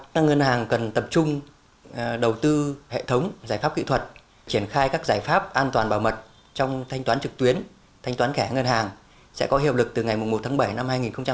các ngân hàng cần tập trung đầu tư hệ thống giải pháp kỹ thuật triển khai các giải pháp an toàn bảo mật trong thanh toán trực tuyến thanh toán khẻ ngân hàng sẽ có hiệu lực từ ngày một tháng bảy năm hai nghìn hai mươi